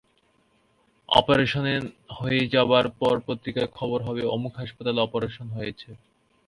Operation হয়ে যাবার পর পত্রিকায় খবর হবে, অমুক হাসপাতালে অপারেশন হয়েছে।